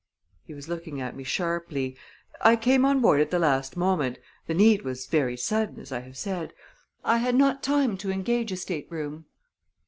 He was looking at me sharply. "I came on board at the last moment the need was ver' sudden, as I have said. I had not time to engage a stateroom."